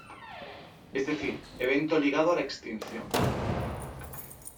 Es decir, evento ligado a la extinción.